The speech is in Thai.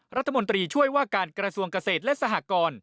รัฐมนตรีช่วยว่าการกระทรวงเกษตรและสหกร